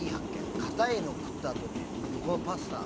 かたいの食ったあとに横のパスタ